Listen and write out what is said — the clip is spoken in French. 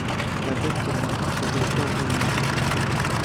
La tête tourna sans que le corps remuât.